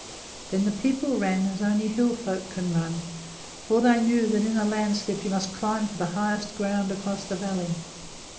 Then the people ran as only Hill folk can run, for they knew that in a landslip you must climb for the highest ground across the valley.